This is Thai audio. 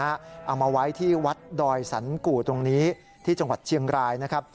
เอามาไว้ที่วัดดอยสันกู่ตรงนี้ที่จังหวัดเชียงรายนะครับ